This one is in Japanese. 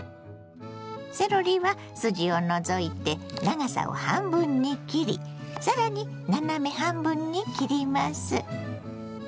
セロリは筋を除いて長さを半分に切りさらに斜め半分に切ります。